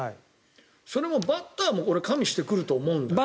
それもバッターも加味してくると思うんだけど。